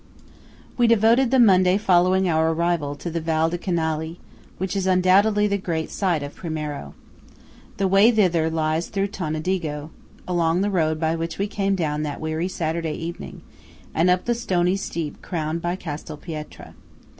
We devoted the Monday following our arrival to the Val di Canali, which is undoubtedly the great sight of Primiero. The way thither lies through Tonadigo, along the road by which we came down that weary Saturday evening, and up the stony steep crowned by Castel Pietra.